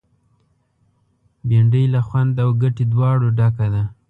بېنډۍ له خوند او ګټې دواړو ډکه ده